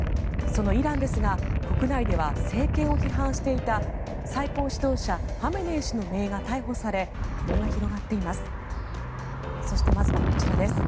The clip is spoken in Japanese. そのイランですが国内では政権を批判していた最高指導者ハメネイ師のめいが逮捕され波紋が広がっています。